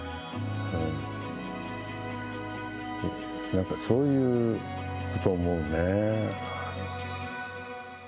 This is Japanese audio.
なんかそういうことを思うね。